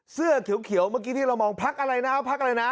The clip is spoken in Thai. เสื้อเขียวเมื่อกี้ที่เรามองพักอะไรนะพักอะไรนะ